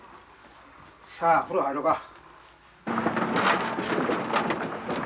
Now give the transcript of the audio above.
さあ風呂入ろか。